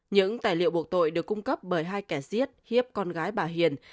những tài liệu buộc tội được cung cấp bởi hai kẻ giết con gái bà hiền